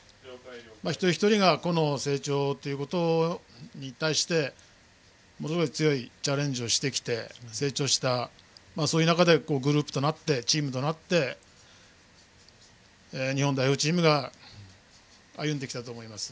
一人一人が個の成長に対してものすごいチャレンジをしてきて成長した、そういう中でグループとなってチームとなって日本代表チームが歩んできたと思います。